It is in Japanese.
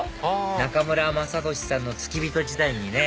中村雅俊さんの付き人時代にね